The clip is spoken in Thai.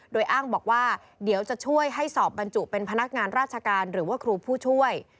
โดยอ้างบอกว่าเดี๋ยวจะช่วยให้สอบบรรจุเป็นพนักงานราชการหรือว่าครูผู้ช่วย